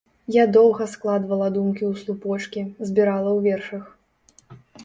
Я доўга складвала думкі ў слупочкі, збірала ў вершах.